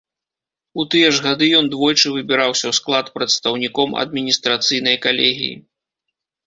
У тыя ж гады ён двойчы выбіраўся ў склад прадстаўніком адміністрацыйнай калегіі.